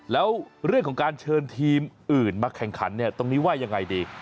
แล้วเรื่องของการเชิญทีมอื่นมาแข่งขันเนี่ยตรงนี้ว่ายังไงดี